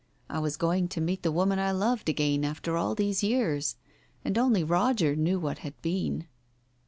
I was going to meet the woman I loved again after all these years. And only Roger knew what had been.